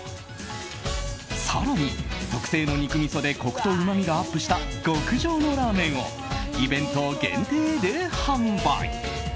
更に、特製の肉味噌でコクとうまみがアップした極上のラーメンをイベント限定で販売。